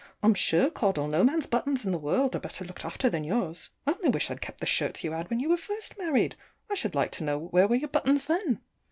I'm sure, Caudle, no man's buttons in the world are better looked after than yours. I only wish I'd kept the shirts you had when you were first married! I should like to know where were your buttons then?